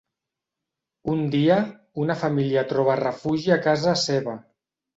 Un dia, una família troba refugi a casa seva.